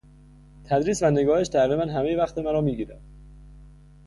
تدریس و نگارش تقریبا همهی وقت مرا میگیرد.